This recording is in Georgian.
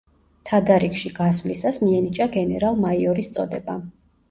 თადარიგში გასვლისას მიენიჭა გენერალ-მაიორის წოდება.